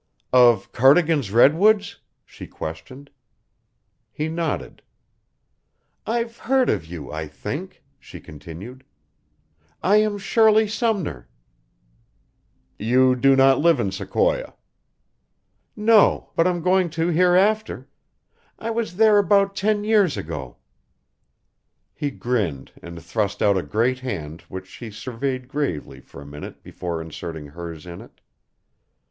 "Of Cardigan's Redwoods?" she questioned. He nodded. "I've heard of you, I think," she continued. "I am Shirley Sumner." "You do not live in Sequoia." "No, but I'm going to hereafter. I was there about ten years ago." He grinned and thrust out a great hand which she surveyed gravely for a minute before inserting hers in it.